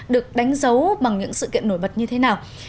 được đánh dấu bằng những sự kiện nổi bật như thế nào